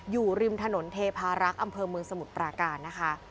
อยู่ริมถนนเทพารักษ์อำเภอเมืองสมุทรปราการนะคะ